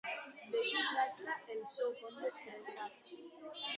De què tracta el seu conte Presagi?